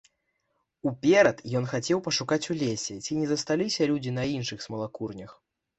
Уперад ён хацеў пашукаць у лесе, ці не засталіся людзі на іншых смалакурнях.